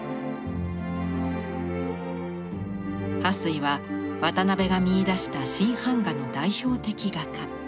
巴水は渡邊が見いだした新版画の代表的画家。